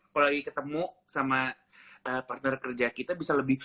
kalau lagi ketemu sama partner kerja kita bisa lebih